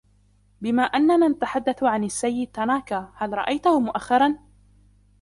بما أننا نتحدث عن السيد تاناكا ، هل رأيته مؤخراً ؟